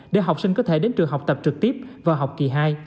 để học sinh có thể đến trường học tập trực tiếp vào học kỳ hai